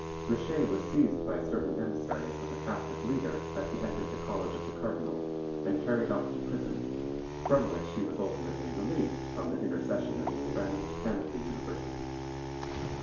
Richer was seized by certain emissaries of a Catholic leader as he entered the college of the Cardinal, and carried off to prison, from which he was ultimately released on the intercession of his friends and of the University.